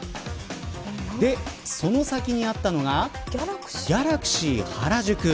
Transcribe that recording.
その先にあったのがギャラクシーハラジュク。